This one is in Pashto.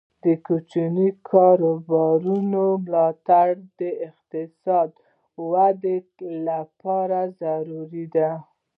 د کوچنیو کاروبارونو ملاتړ د اقتصاد د ودې لپاره ضروري دی.